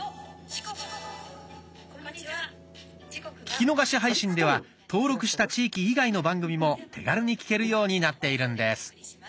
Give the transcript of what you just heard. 「聴き逃し配信」では登録した地域以外の番組も手軽に聴けるようになっているんです。